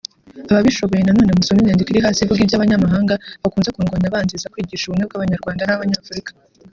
Ababishoboye nanone musome inyandiko iri hasi ivuga iby’abanyamahanga bakunze kundwanya banziza kwigisha ubumwe bw’abanyarwanda n’abanyafurika